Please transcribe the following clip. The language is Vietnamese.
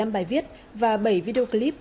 một mươi năm bài viết và bảy video clip